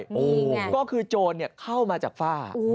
โอ้โหก็คือโจรเข้ามาจากฝ้า